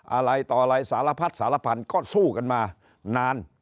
อะไรต่ออะไรสารพัดสารพันธุ์ก็สู้กันมานาน